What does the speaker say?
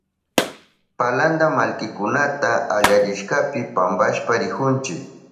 Palanta mallkikunata allarishkapi pampashpa rihunchi.